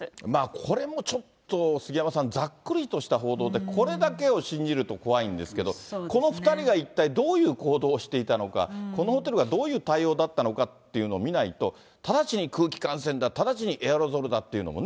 これもちょっと、杉山さん、ざっくりとした報道で、これだけを信じると怖いんですけども、この２人が一体どういう行動をしていたのか、このホテルがどういう対応だったのかっていうのを見ないと、直ちに空気感染だ、直ちにエアロゾルだっていうのはね。